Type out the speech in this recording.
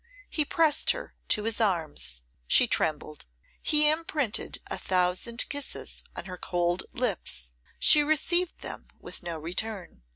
He pressed her to his arms. She trembled. He imprinted a thousand kisses on her cold lips; she received them with no return.